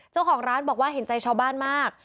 เจ้าของร้านบอกว่าเห็นใจชาวบ้านมาก